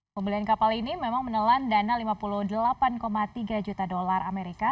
pembelian kapal ini memang menelan dana lima puluh delapan tiga juta dolar amerika